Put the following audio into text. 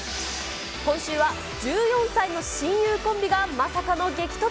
今週は１４歳の親友コンビがまさかの激突。